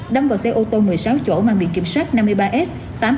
đâm vào xe ô tô một mươi sáu chỗ mà bị kiểm soát năm mươi ba s tám nghìn hai trăm tám mươi ba